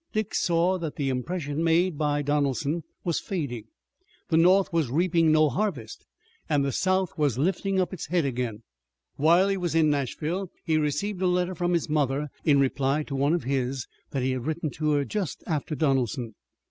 Dick saw that the impression made by Donelson was fading. The North was reaping no harvest, and the South was lifting up its head again. While he was in Nashville he received a letter from his mother in reply to one of his that he had written to her just after Donelson.